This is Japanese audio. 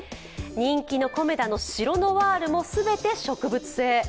人気のコメダのシロノワールも全て植物性。